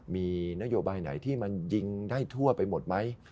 มีนโยบายไหนที่มันยิงได้ทั่วไปหมดไหม